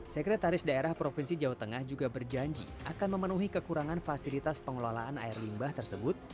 sekretaris daerah provinsi jawa tengah juga berjanji akan memenuhi kekurangan fasilitas pengelolaan air limbah tersebut